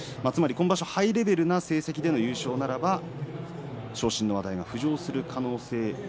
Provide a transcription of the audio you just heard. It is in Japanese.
今場所ハイレベルの成績で優勝ならば昇進の話題が浮上する可能性。